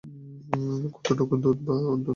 কতটুকু দুধই বা ও খায়!